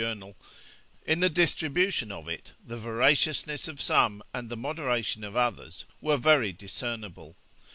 Journal), 'In the distribution of it, the voraciousness of some and the moderation of others were very discernible.